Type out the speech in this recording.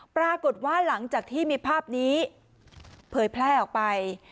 ปรากฏว่าหลังจากที่มีภาพนี้เผยแพร่ออกไป